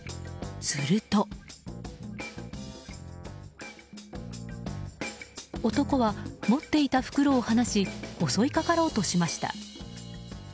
すると男は持っていた袋を放し襲いかかろうとしました。